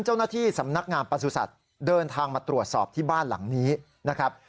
เจ้าหน้าที่สำนักงามประสุทธิ์เดินทางมาตรวจสอบที่บ้านหลังนี้นะครับ